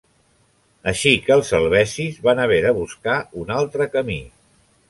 Així que els helvecis van haver de buscar un altre camí.